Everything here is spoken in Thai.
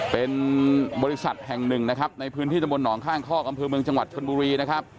พี่นี้คืนนี้